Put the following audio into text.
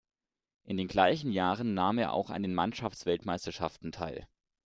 In den gleichen Jahren nahm er auch an den Mannschaftsweltmeisterschaften teil.